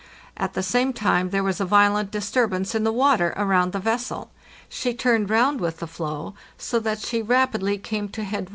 At the same time there was a violent disturbance in the water around the vessel. She turned round with the floe, so that she rapidly came to head W.